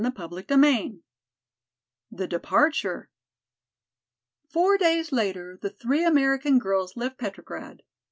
CHAPTER XVII The Departure Four days later the three American girls left Petrograd.